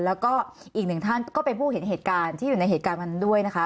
แล้วก็อีกหนึ่งท่านก็เป็นผู้เห็นเหตุการณ์ที่อยู่ในเหตุการณ์วันนั้นด้วยนะคะ